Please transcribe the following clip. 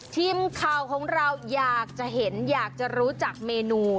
ทีมข่าวของเราอยากจะเห็นอยากจะรู้จักเมนู